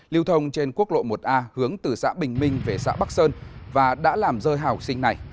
lưu thông trên quốc lộ một a hướng từ xã bình minh về xã bắc sơn và đã làm rơi học sinh này